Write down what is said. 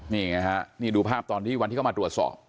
นี่ไงฮะนี่ดูภาพตอนที่วันที่เข้ามาตรวจสอบ